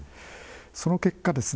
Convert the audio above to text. その結果ですね